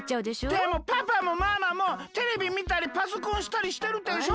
でもパパもママもテレビみたりパソコンしたりしてるでしょ？